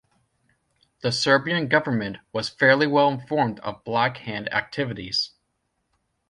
The Serbian government was fairly well informed of Black Hand activities.